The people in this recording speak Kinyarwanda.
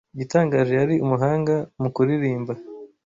Igitangaje, yari umuhanga mu kuririmba.